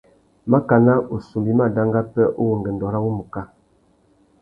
Makana « ussumbu i má danga pêh uwú ungüêndô râ wumuká ».